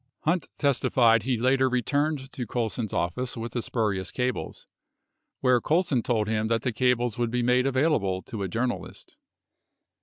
46 Hunt testified he later returned to Colson's office with the spurious cables, where Colson told him that the cables would be made available to a journalist.